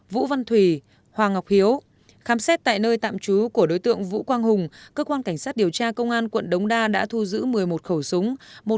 vũ văn thủy hoàng ngọc hiếu khám xét tại nơi tạm trú của đối tượng vũ quang hùng cơ quan cảnh sát điều tra công an quận đống đa đã thu giữ một mươi một khẩu súng